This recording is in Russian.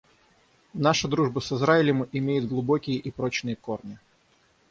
Наша дружба с Израилем имеет глубокие и прочные корни.